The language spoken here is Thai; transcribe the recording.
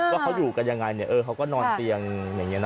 ว่าเขาอยู่กันยังไงเขาก็นอนเตียงอย่างนี้นะ